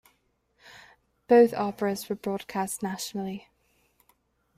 Both operas were broadcast nationally.